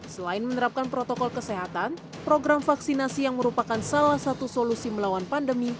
selain menerapkan protokol kesehatan program vaksinasi yang merupakan salah satu solusi melawan pandemi